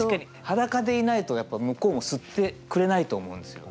確かに裸でいないとやっぱ向こうも吸ってくれないと思うんですよ。